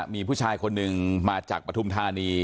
มีผู้ชายคนหนึ่งมาจากปฐุมธานี